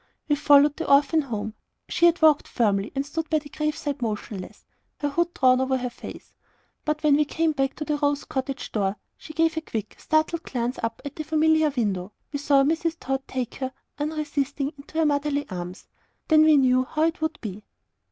We followed the orphan home. She had walked firmly, and stood by the grave side motionless, her hood drawn over her face. But when we came back to Rose Cottage door, and she gave a quick, startled glance up at the familiar window, we saw Mrs. Tod take her, unresisting, into her motherly arms then we knew how it would be.